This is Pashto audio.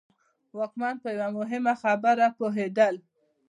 واکمن په یوه مهمه خبره پوهېدل.